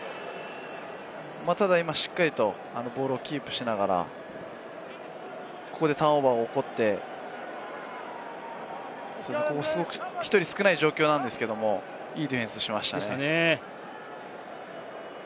ただ今しっかりとボールをキープしながら、ここでターンオーバーが起こって、１人少ない状況なんですけど、ここディフェンスをしましたね。